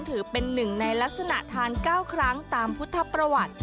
ถือเป็นหนึ่งในลักษณะทาน๙ครั้งตามพุทธประวัติ